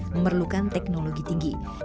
memerlukan teknologi tinggi